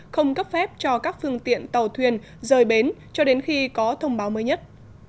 không cấp phép cho các phương tiện tàu thuyền rời bến cho đến khi có thông báo mới nhất